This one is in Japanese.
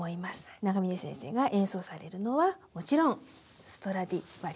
永峰先生が演奏されるのはもちろんストラディバリウスです。